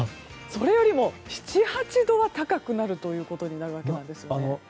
それよりも７８度は高くなるということになるわけです。